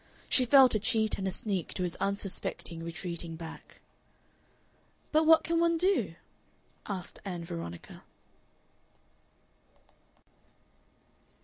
She felt a cheat and a sneak to his unsuspecting retreating back. "But what can one do?" asked Ann Veronica.